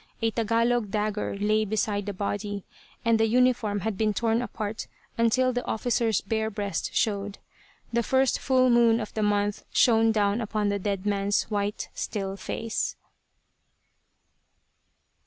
A Tagalog dagger lay beside the body, and the uniform had been torn apart until the officer's bare breast showed. The first full moon of the month shone down upon the dead man's white, still face.